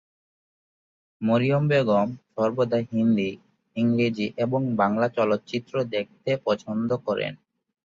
মরিয়ম বেগম সর্বদা হিন্দি, ইংরেজি এবং বাংলা চলচ্চিত্র দেখতে পছন্দ করেন।